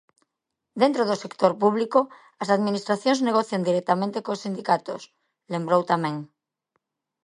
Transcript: "Dentro do sector público as administracións negocian directamente cos sindicatos", lembrou tamén.